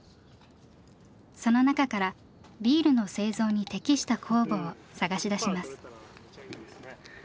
その中からビールの製造に適した酵母を探し出します。